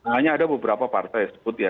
hanya ada beberapa partai sebut ya